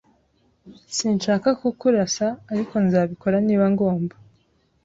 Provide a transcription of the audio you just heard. Sinshaka kukurasa, ariko nzabikora niba ngomba